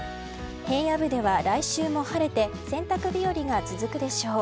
平野部では来週も晴れて洗濯日和が続くでしょう。